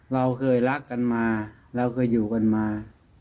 เราเคยรักกันมาเราเคยอยู่กันมา